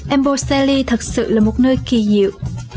embo sally thật sự là một nơi kỳ diệu